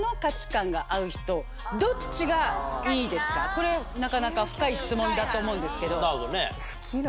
これなかなか深い質問だと思うんですけど。